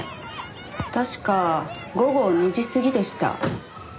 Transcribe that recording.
確か午後２時過ぎでした。